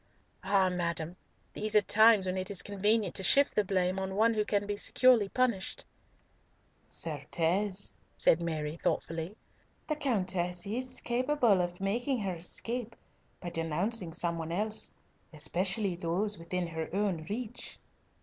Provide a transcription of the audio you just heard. "Ah, madam! these are times when it is convenient to shift the blame on one who can be securely punished." "Certes," said Mary, thoughtfully, "the Countess is capable of making her escape by denouncing some one else, especially those within her own reach."